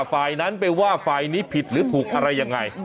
ฝ่ายนั้นไปว่าฝ่ายนี้ผิดหรือถูกอะไรยังไง